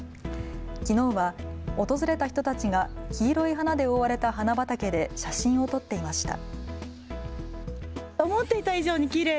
きのうは訪れた人たちが黄色い花で覆われた花畑で写真を撮っていました。